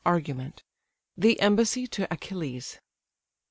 ARGUMENT. THE EMBASSY TO ACHILLES.